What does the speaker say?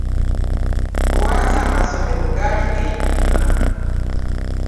Lwaki amasomero gaali geediima.